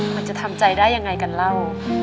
มันจะทำใจได้ยังไงกันเล่า